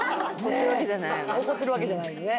怒ってるわけじゃないよね